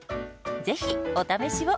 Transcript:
ぜひお試しを！